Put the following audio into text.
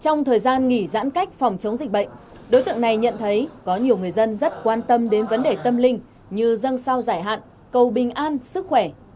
trong thời gian nghỉ giãn cách phòng chống dịch bệnh đối tượng này nhận thấy có nhiều người dân rất quan tâm đến vấn đề tâm linh như dân sao giải hạn cầu bình an sức khỏe